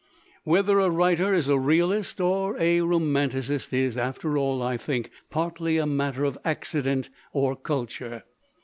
"Whether a writer is a realist or a romanticist is, after all, I think, partly a matter of accident or culture.